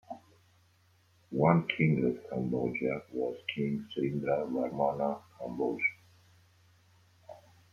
One king of Kamboja was King Srindra Varmana Kamboj.